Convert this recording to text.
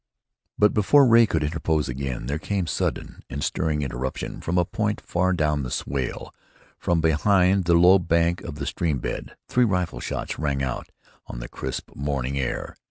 But before Ray could interpose again there came sudden and stirring interruption. From a point far down the "swale," from behind the low bank of the stream bed, three rifle shots rang out on the crisp morning air.